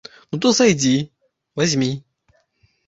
Ну, то зайдзі, вазьмі!